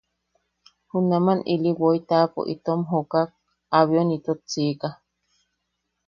Junaman ili woi taʼapo itom jokak abion itot sika.